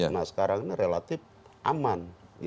nah sekarang ini relatif aman